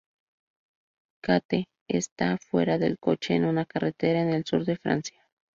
Kate está fuera del coche en una carretera en el sur de Francia.